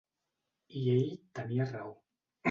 I ell tenia raó.